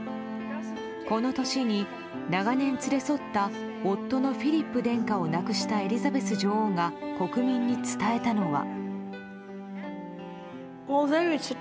この年に、長年連れ添った夫のフィリップ殿下を亡くしたエリザベス女王が国民に伝えたのは。